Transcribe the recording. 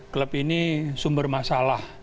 klub ini sumber masalah